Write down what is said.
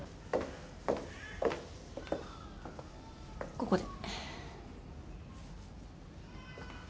ここで。